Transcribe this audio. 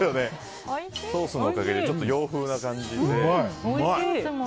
ソースのおかげでちょっと洋風な感じで。